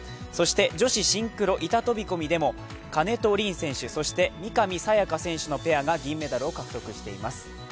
女子シンクロ板飛び込みでも金戸凜選手、そして三上紗也可選手のペアが銀メダルを獲得しています。